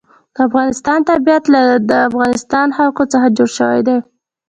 د افغانستان طبیعت له د افغانستان جلکو څخه جوړ شوی دی.